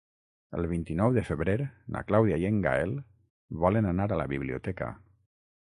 El vint-i-nou de febrer na Clàudia i en Gaël volen anar a la biblioteca.